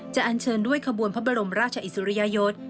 อันเชิญด้วยขบวนพระบรมราชอิสริยยศ